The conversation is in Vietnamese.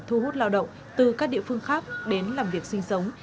thu hút lao động từ các địa phương khác đến làm việc sinh sống